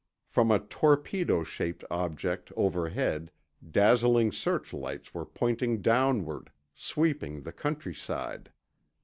From a torpedo shaped object overhead, dazzling searchlights were pointing downward, sweeping the countryside.